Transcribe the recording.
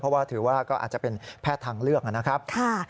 เพราะว่าถือว่าก็อาจจะเป็นแพทย์ทางเลือกนะครับ